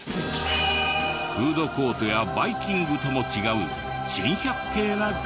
フードコートやバイキングとも違う珍百景な学食が。